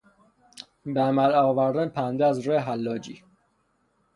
به عمل آوردن پنبه از راه حلاجی